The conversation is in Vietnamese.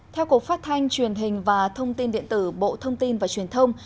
theo cục phát thanh truyền hình và thông tin điện tử bộ thông tin và truyền thông